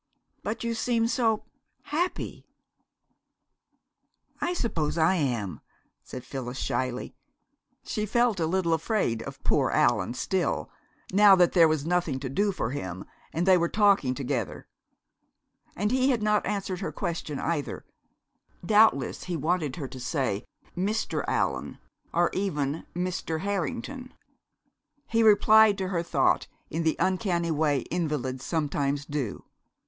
"But you seem so happy!" "I suppose I am," said Phyllis shyly. She felt a little afraid of "poor Allan" still, now that there was nothing to do for him, and they were talking together. And he had not answered her question, either; doubtless he wanted her to say "Mr. Allan" or even "Mr. Harrington!" He replied to her thought in the uncanny way invalids sometimes do.